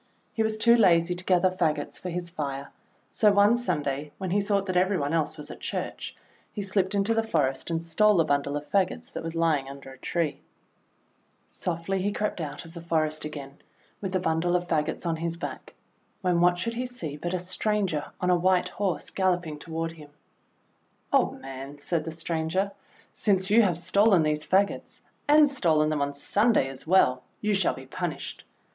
He was too lazy to gather fagots for his fire; so one Sunday, when he thought that every one else was at Church, he slipped into the forest and stole a bundle of fagots that was lying under a tree. 252 THE WONDER GARDEN Softly he crept out of the forest again, with the bundle of fagots on his back, when what should he see but a stranger on a white horse galloping toward him. :'Old man," said the stranger, "since you have stolen these fagots, and stolen them on Sunday as well, you shall be punished.